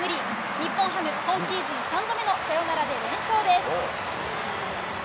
日本ハム、今シーズン３度目のサヨナラで連勝です。